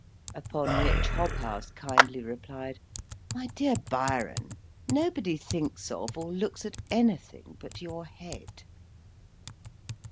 Upon which Hobhouse kindly replied, "My dear Byron, nobody thinks of or looks at anything but your head."